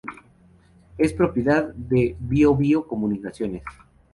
Es propiedad de Bío-Bío Comunicaciones.